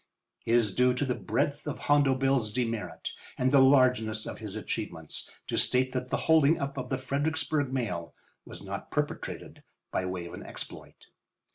It is due to the breadth of Hondo Bill's demerit and the largeness of his achievements to state that the holding up of the Fredericksburg mail was not perpetrated by way of an exploit.